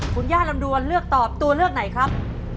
คุณย่าลำดวนเลือกตอบตัวเลือกไหนครับ